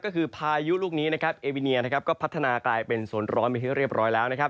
ก็คือพายุลูกนี้นะครับเอวิเนียนะครับก็พัฒนากลายเป็นสวนร้อนไปที่เรียบร้อยแล้วนะครับ